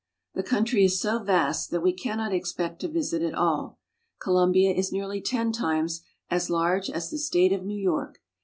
The country is so vast that we cannot expect to visit it all. Colombia is nearly ten times as large as the state of New York.